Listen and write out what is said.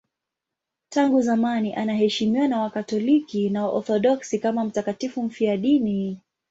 Tangu zamani anaheshimiwa na Wakatoliki na Waorthodoksi kama mtakatifu mfiadini.